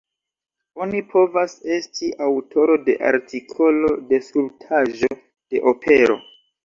Oni povas esti aŭtoro de artikolo, de skulptaĵo, de opero.